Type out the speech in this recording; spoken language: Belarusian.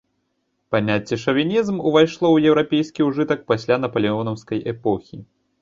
Паняцце шавінізм увайшло ў еўрапейскі ўжытак пасля напалеонаўскай эпохі.